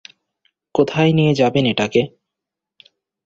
কোথায় নিয়ে যাবেন এটাকে?